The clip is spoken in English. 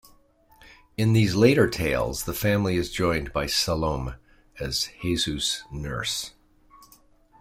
In these later tales the family is joined by Salome as Jesus' nurse.